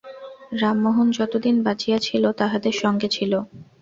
রামমােহন যতদিন বাঁচিয়া ছিল, তাহাদের সঙ্গে ছিল।